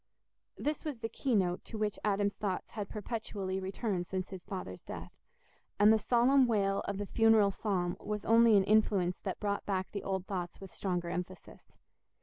This was the key note to which Adam's thoughts had perpetually returned since his father's death, and the solemn wail of the funeral psalm was only an influence that brought back the old thoughts with stronger emphasis.